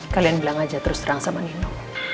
kalian bilang aja terus terang sama nino